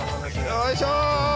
よいしょ。